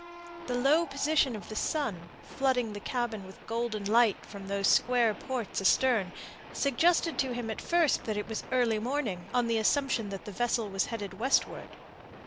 The low position of the sun, flooding the cabin with golden light from those square ports astern, suggested to him at first that it was early morning, on the assumption that the vessel was headed westward.